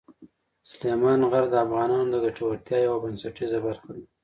سلیمان غر د افغانانو د ګټورتیا یوه بنسټیزه برخه ده.